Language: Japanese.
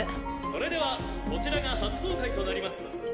それではこちらが初公開となります。